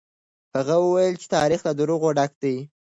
هغه وويل چې تاريخ له دروغو ډک دی.